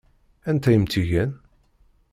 Anta i m-tt-igan?